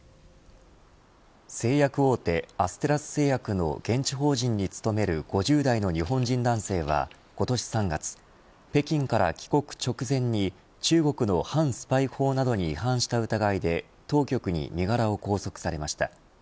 製薬大手アステラス製薬の現地法人に勤める５０代の日本人男性は今年３月、北京から帰国直前に中国の反スパイ法などに違反した疑いで当局に身柄を拘束されました。